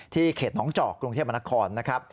เขตน้องจอกกรุงเทพมนครนะครับ